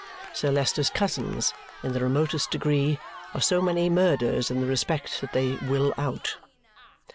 Sir Leicester's cousins, in the remotest degree, are so many murders in the respect that they "will out."